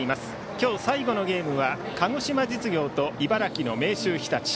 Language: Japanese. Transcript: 今日最後のゲームは鹿児島実業と茨城の明秀日立。